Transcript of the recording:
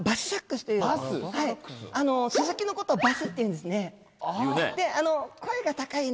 スズキのことを「ｂａｓｓ」って言うんですね。